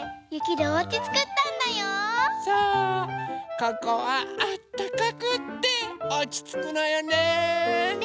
ここはあったかくておちつくのよね。ね。